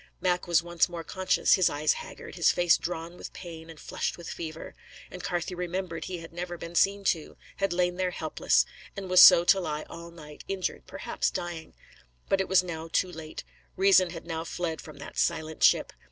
Mac was once more conscious, his eyes haggard, his face drawn with pain and flushed with fever; and Carthew remembered he had never been seen to, had lain there helpless, and was so to lie all night, injured, perhaps dying. But it was now too late; reason had now fled from that silent ship.